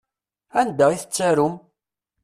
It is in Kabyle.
Anda i tettarum?